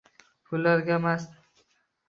Gullarga mast